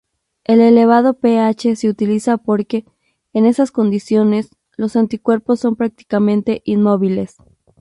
El elevado pH se utiliza porque, en esas condiciones, los anticuerpos son prácticamente inmóviles.